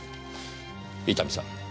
伊丹さん